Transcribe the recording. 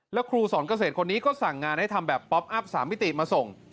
แล้วครูสอนเกษตรคนนี้ก็สั่งงานให้ทำแบบป๊อปอัพ๓มิติมาส่ง